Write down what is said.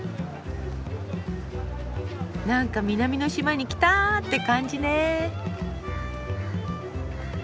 なんか「南の島に来た」って感じね。